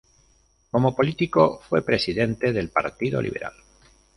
Como político, fue presidente del Partido Liberal.